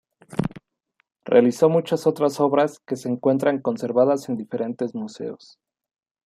Realizó muchas otras obras que se encuentran conservadas en diferentes museos.